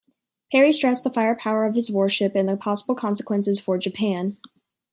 Perry stressed the firepower of his warships and the possible consequences for Japan.